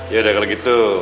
ya udah kalau gitu